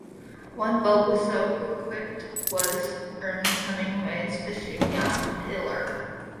One boat so equipped was Ernest Hemingway's fishing yacht "Pilar".